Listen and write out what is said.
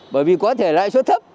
bởi vì có thể lãi suất thấp